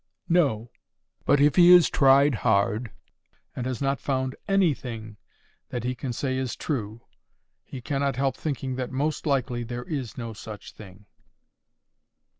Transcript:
"No. But if he has tried hard and has not found ANYTHING that he can say is true, he cannot help thinking that most likely there is no such thing."